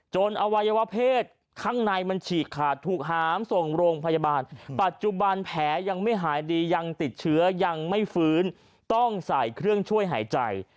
อวัยวะเพศข้างในมันฉีกขาดถูกหามส่งโรงพยาบาลปัจจุบันแผลยังไม่หายดียังติดเชื้อยังไม่ฟื้นต้องใส่เครื่องช่วยหายใจ